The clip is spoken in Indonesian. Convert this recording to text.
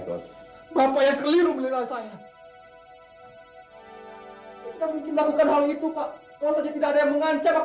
kau yang keliru melihat saya mungkin lakukan hal itu pak kalau saja tidak ada yang mengancam